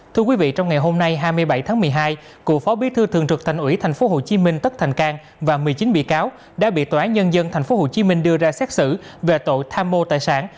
thưa quý vị trong ngày hôm nay hai mươi bảy tháng một mươi hai cựu phó bí thư thường trực thành ủy tp hcm tất thành cang và một mươi chín bị cáo đã bị tòa án nhân dân tp hcm đưa ra xét xử về tội tham mô tài sản